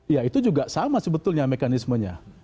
ya itu juga sama sebetulnya mekanismenya